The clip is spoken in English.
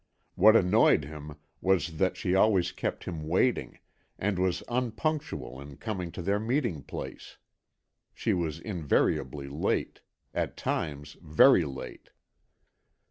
What annoyed him was that she always kept him waiting, and was unpunctual in coming to their meeting place; she was invariably late, at times very late.